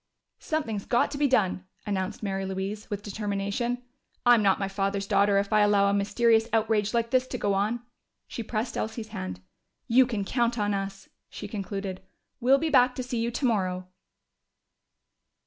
"Something's got to be done!" announced Mary Louise, with determination. "I'm not my father's daughter if I allow a mysterious outrage like this to go on." She pressed Elsie's hand. "You can count on us," she concluded. "We'll be back to see you tomorrow!"